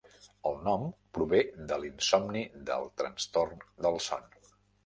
El nom prové de l'insomni del trastorn del son.